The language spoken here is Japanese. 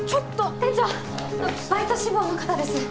店長バイト志望の方です。